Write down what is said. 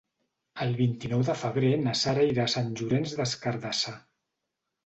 El vint-i-nou de febrer na Sara irà a Sant Llorenç des Cardassar.